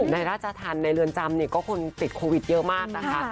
ราชธรรมในเรือนจำก็คนติดโควิดเยอะมากนะคะ